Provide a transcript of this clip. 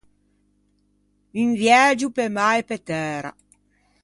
Un viægio pe mâ e pe tæra.